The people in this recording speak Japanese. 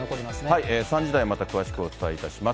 ３時台、また詳しくお伝えします。